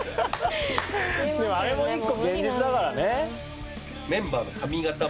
でもあれも一個現実だからね。